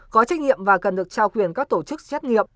có trách nhiệm và cần được trao quyền các tổ chức xét nghiệm